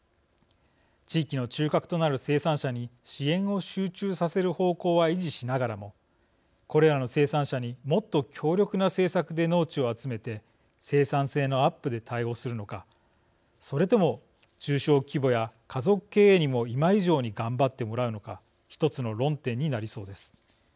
地域の中核となる生産者に支援を集中させる方向は維持しながらもこれらの生産者にもっと強力な政策で農地を集めて生産性のアップで対応するのかそれとも中小規模や家族経営にも今以上に頑張ってもらうのか１つの論点になりそうです。